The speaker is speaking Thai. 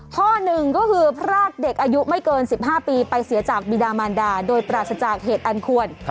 ข้อหนึ่งก็คือพรากเด็กอายุไม่เกิน๑๕ปีไปเสียจากบิดามานดาโดยปราศจากเหตุอันควร